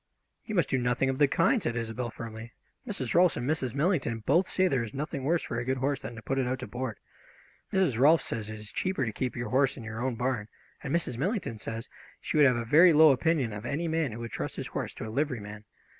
"You must do nothing of the kind!" said Isobel firmly. "Mrs. Rolfs and Mrs. Millington both say there is nothing worse for a good horse than to put it out to board. Mrs. Rolfs says it is much cheaper to keep your horse in your own bam, and Mrs. Millington says she would have a very low opinion of any man who would trust his horse to a liveryman.